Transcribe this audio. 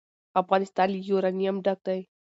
افغانستان له یورانیم ډک دی.